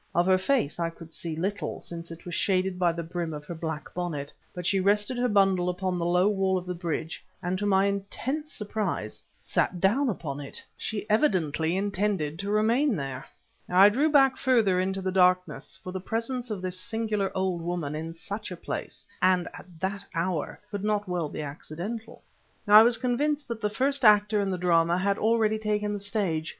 Of her face I could see little, since it was shaded by the brim of her black bonnet, but she rested her bundle upon the low wall of the bridge, and to my intense surprise, sat down upon it! She evidently intended to remain there. I drew back further into the darkness; for the presence of this singular old woman at such a place, and at that hour, could not well be accidental. I was convinced that the first actor in the drama had already taken the stage.